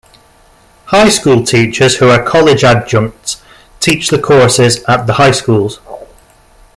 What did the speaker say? High school teachers who are college adjuncts teach the courses at the high schools.